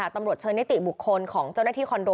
ตำรวจเชิญหน้าติบุคคลของเจ้าหน้าที่คอนโร